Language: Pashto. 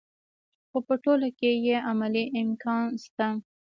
خو په ټوله کې یې عملي امکان شته.